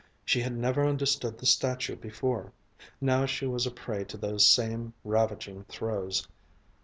She had never understood the statue before. Now she was a prey to those same ravaging throes.